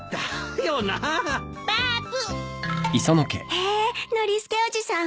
へえノリスケおじさん